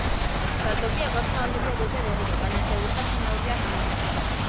Saltokia gaur zabalduko dute berriro, baina segurtasun-neurriak indartuta.